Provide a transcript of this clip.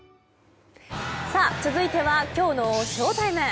続いてはきょうのＳＨＯＴＩＭＥ。